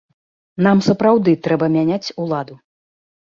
Нам сапраўды трэба мяняць уладу.